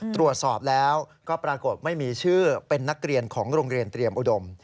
ตรวจสอบแล้วก็ปรากฏไม่มีชื่อเป็นนักเรียนของโรงเรียนเตรียมอุดม